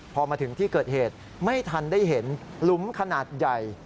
พอมาถึงที่เกิดเหตุไม่ทันได้เห็นหลุมขนาดใหญ่